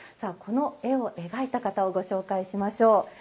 この絵を描いた方をご紹介しましょう。